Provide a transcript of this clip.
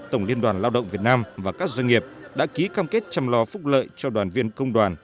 tổng liên đoàn lao động việt nam và các doanh nghiệp đã ký cam kết chăm lo phúc lợi cho đoàn viên công đoàn